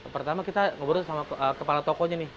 pertama kita ngobrol sama kepala tokonya nih